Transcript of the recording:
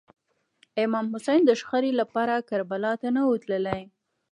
امام حسین د شخړې لپاره کربلا ته نه و تللی.